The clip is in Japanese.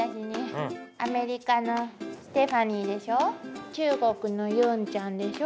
アメリカのステファニーでしょ中国のユンちゃんでしょ。